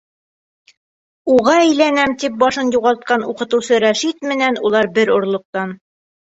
Уға әйләнәм тип башын юғалтҡан уҡытыусы Рәшит менән улар бер орлоҡтан.